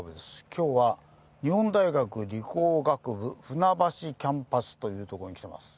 今日は日本大学理工学部船橋キャンパスという所に来てます。